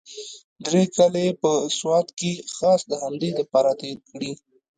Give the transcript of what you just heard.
درې کاله يې په سوات کښې خاص د همدې دپاره تېر کړي.